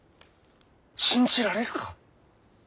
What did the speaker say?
信じられるか？